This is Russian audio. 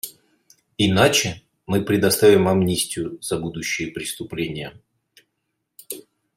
Иначе мы предоставим амнистию за будущие преступления.